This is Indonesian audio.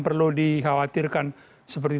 perlu dikhawatirkan seperti